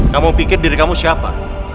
kamu pikir diri kamu siapa